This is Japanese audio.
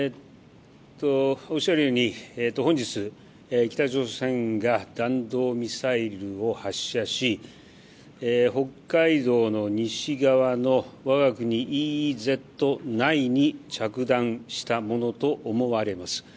おっしゃるように本日、北朝鮮が弾道ミサイルを発射し北海道の西側のわが国ＥＥＺ内に着弾したものと思われます。